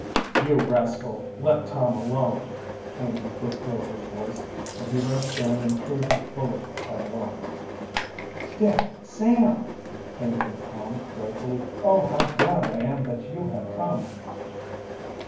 "You rascal, let Tom alone!" came in Dick Rover's voice, and he rushed in and threw the bully headlong. "Dick! Sam!" came from Tom joyfully. "Oh, how glad I am that you have come."